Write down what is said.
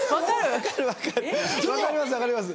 分かります。